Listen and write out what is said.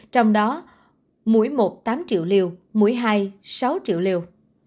trong đó mũi một tám triệu liều mũi hai sáu triệu liều